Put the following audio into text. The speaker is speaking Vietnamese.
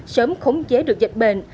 sớm khống chế được dịch bệnh